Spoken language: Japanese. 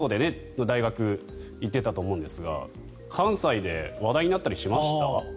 当時、できた頃って京都の大学に行っていたと思うんですが関西で話題になったりしました？